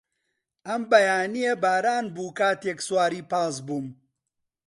ئەم بەیانییە باران بوو کاتێک سواری پاس بووم.